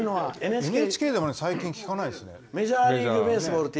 ＮＨＫでも最近聞かないですよね。